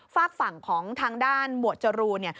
ฝากฝั่งของทางด้านหมวดจรูน